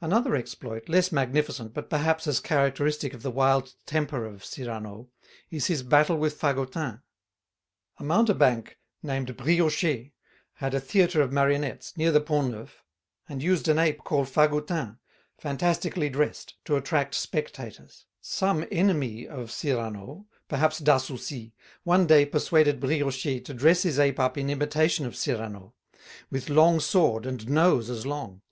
Another exploit, less magnificent, but perhaps as characteristic of the wild temper of Cyrano, is his battle with Fagotin. A mountebank named Brioché had a theatre of marionnettes, near the Pont Neuf, and used an ape called Fagotin, fantastically dressed, to attract spectators. Some enemy of Cyrano, perhaps Dassoucy, one day persuaded Brioché to dress his ape up in imitation of Cyrano, with long sword and nose as long.